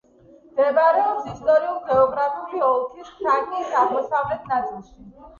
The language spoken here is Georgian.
მდებარეობს ისტორიულ-გეოგრაფიული ოლქის თრაკიის აღმოსავლეთ ნაწილში.